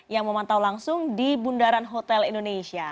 yang memantau langsung di bundaran hotel indonesia